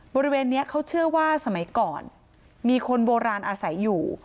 บริเวณนี้เขาเชื่อว่าสมัยก่อนมีคนโบราณอาศัยอยู่